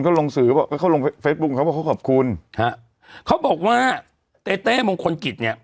เขาลงสื่อเขาเข้าลงเขาบอกเขาขอบคุณครับเขาบอกว่าเต๊ะเต๊ะมงคลกิจเนี่ย